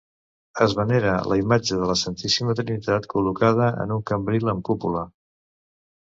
Es venera la imatge de la Santíssima Trinitat col·locada en un cambril amb cúpula.